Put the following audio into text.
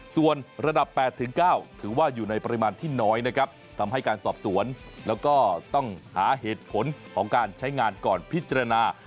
ส่วนระดับ๘๙ถือว่าอยู่ในปริมาณที่น้อยนะครับทำให้การสอบสวนแล้วก็ต้องหาเหตุผลของการใช้งานก่อนพิจารณา